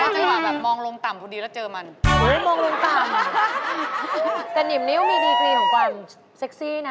เนี่ยหมอนุกลงต่ำเนี่ยแต่นิ่มนี่มีดีกรีของความเสกซี่นะ